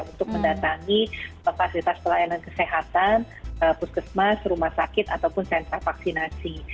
untuk mendatangi fasilitas pelayanan kesehatan puskesmas rumah sakit ataupun sentra vaksinasi